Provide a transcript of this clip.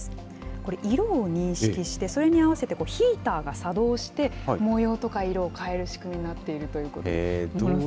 これ、色を認識して、それに合わせて、ヒーターが作動して、模様とか色を変える仕組みになっているということなんです。